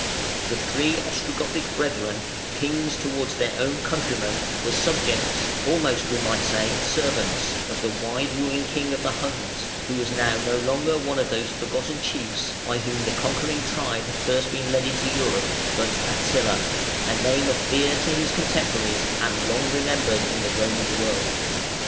] The three Ostrogothic brethren, kings towards their own countrymen, were subjects almost, we might say, servants of the wide ruling king of the Huns, who was now no longer one of those forgotten chiefs by whom the conquering tribe had been first led into Europe, but ATTILA, a name of fear to his contemporaries and long remembered in the Roman world.